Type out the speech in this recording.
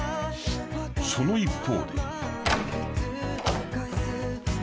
［その一方で］